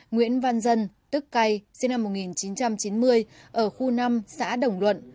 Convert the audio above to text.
nguyễn văn dân tức cay sinh năm một nghìn chín trăm chín mươi ở khu năm xã đồng luận